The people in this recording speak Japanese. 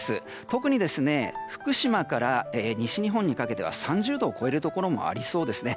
特に福島から西日本にかけては３０度を超えるところもありそうですね。